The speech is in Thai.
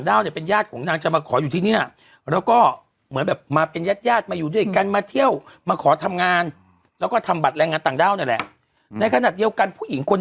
ร่วมกันทำปลอมขึ้นซึ่งดวงตราเดินทางระหว่างประเทศหรือวีซ่านะครับ